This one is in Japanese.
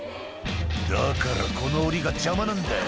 「だからこのオリが邪魔なんだよ」